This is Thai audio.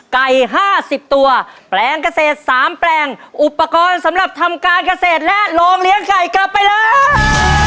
ไก่๕๐ตัวแปลงเกษตร๓แปลงอุปกรณ์สำหรับทำการเกษตรและโรงเลี้ยงไก่กลับไปเลย